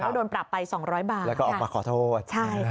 ก็โดนปรับไป๒๐๐บาทแล้วก็ออกมาขอโทษ